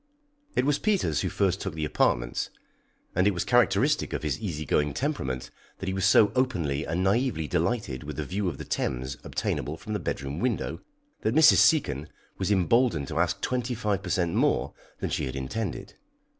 It was Peters who first took the apartments, and it was characteristic of his easy going temperament that he was so openly and naïvely delighted with the view of the Thames obtainable from the bedroom window, that Mrs. Seacon was emboldened to ask twenty five per cent more than she had intended.